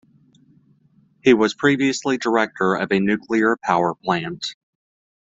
He was previously director of a nuclear-power plant.